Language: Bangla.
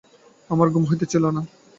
আমার ঘুম হইতেছিল না।